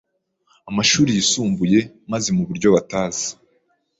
amashuri yisumbuye maze mu buryo batazi,